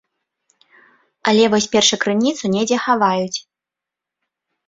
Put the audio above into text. Але вось першакрыніцу недзе хаваюць.